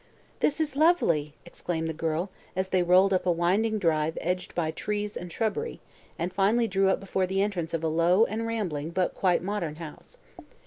"This is lovely!" exclaimed the girl, as they rolled up a winding drive edged by trees and shrubbery, and finally drew up before the entrance of a low and rambling but quite modern house.